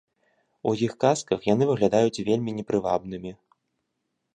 У іх казках яны выглядаюць вельмі непрывабнымі.